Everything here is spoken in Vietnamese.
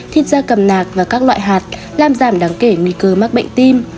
thịt da cầm nạc và các loại hạt làm giảm đáng kể nguy cơ mắc bệnh tim